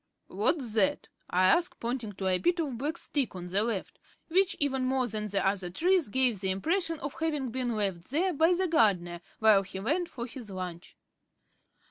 "What's that?" I asked, pointing to a bit of black stick on the left; which, even more than the other trees, gave the impression of having been left there by the gardener while he went for his lunch.